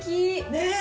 ねえ。